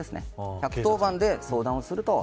１１０番で相談すると。